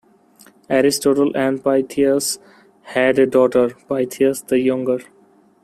Aristotle and Pythias had a daughter, Pythias the Younger.